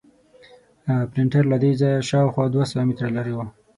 پرنټر له دې ځایه شاوخوا دوه سوه متره لرې و.